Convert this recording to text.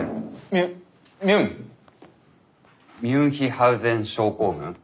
ミュミュン？ミュンヒハウゼン症候群。